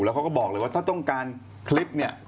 เขาก็บอกเลยว่าถ้าต้องการคลิปเนี่ย